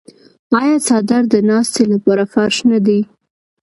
آیا څادر د ناستې لپاره فرش نه دی؟